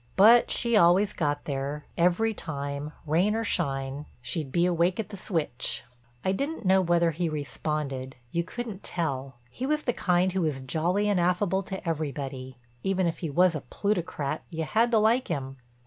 But she always got there; every time, rain or shine, she'd be awake at the switch. I didn't know whether he responded—you couldn't tell. He was the kind who was jolly and affable to everybody; even if he was a plutocrat you had to like him.